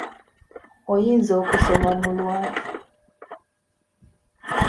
Oyinza okusoma mu lwatu.